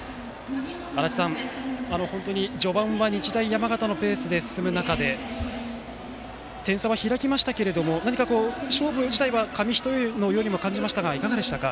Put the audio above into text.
足達さん、本当に序盤は日大山形のペースで進む中で、点差は開きましたが何かこう、勝負自体は紙一重のように感じましたがいかがでしたか？